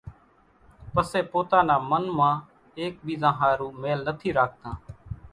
پسي پوتا نا من مان ايڪ ٻيزا ۿارُو ميل نٿي راکتان